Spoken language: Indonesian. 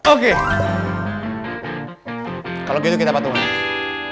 oke kalau gitu kita patung aja